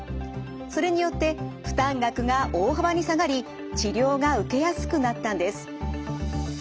それによって負担額が大幅に下がり治療が受けやすくなったんです。